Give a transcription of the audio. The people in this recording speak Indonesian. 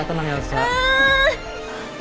tidak usah tenang ya